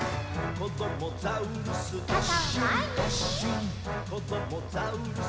「こどもザウルス